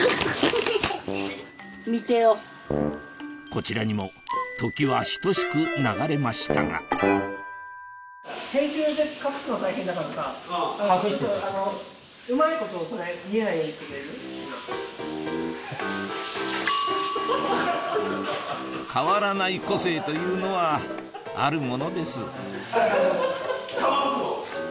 こちらにも時は等しく流れましたが変わらない個性というのはあるものです